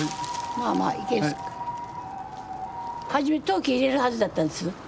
はじめ陶器入れるはずだったんですよ。